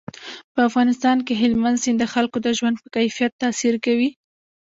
په افغانستان کې هلمند سیند د خلکو د ژوند په کیفیت تاثیر کوي.